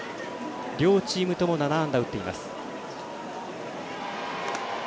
両チームとの７安打打っています。